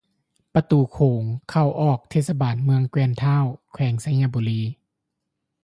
ປະຕູໂຂງ ເຂົ້າ-ອອກ ເທດສະບານເມືອງແກ່ນທ້າວ ແຂວງໄຊຍະບູລີ